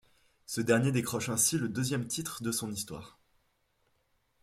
Ce dernier décroche ainsi le deuxième titre de son Histoire.